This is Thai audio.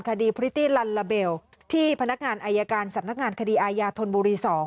คดีพริตตี้ลัลลาเบลที่พนักงานอายการสำนักงานคดีอายาธนบุรี๒